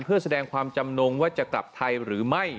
เพื่อแสดงความจำนงว่าจะกลับไทยหรือไม่